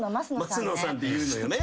「升野さん」って言うのよね。